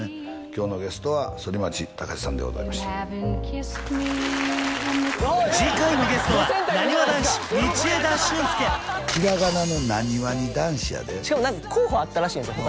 今日のゲストは反町隆史さんでございました次回のゲストはひらがなの「なにわ」に「男子」やでしかも何か候補あったらしいんですよ